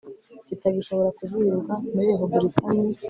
kitagishobora kujuririrwa muri Repubulika y u